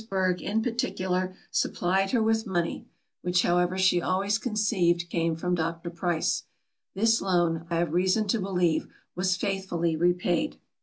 Burgh in particular, supplied her with money, which however she always conceived came from Dr. Price. This loan, I have reason to believe, was faithfully repaid.